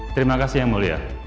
terima kasih yang mulia